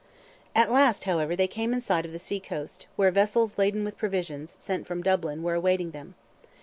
At last, however, they came in sight of the sea coast, where vessels laden with provisions, sent from Dublin, were awaiting them.